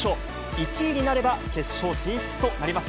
１位になれば決勝進出となります。